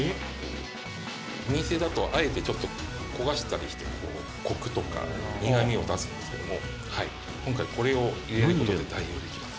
「お店だとあえてちょっと焦がしたりしてコクとか苦みを出すんですけども今回これを入れる事で代用できます」